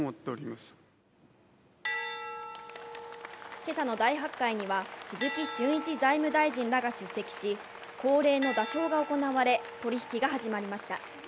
今朝の大発会には鈴木俊一財務大臣らが出席し、恒例の打鐘が行われ取引が始まりました。